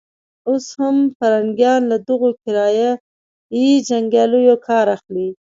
اوس هم پرنګيان له دغو کرایه يي جنګیالیو کار اخلي.